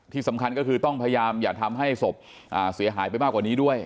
ที่สำคัญก็คือต้องพยายามอย่าทำให้ศพเสียหายไปมากกว่านี้ด้วย